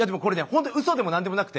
ほんとにうそでも何でもなくて。